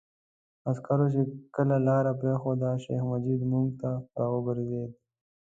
عسکرو چې کله لاره پرېښوده، شیخ مجید موږ ته را وګرځېد.